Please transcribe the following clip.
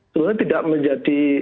sebenarnya tidak menjadi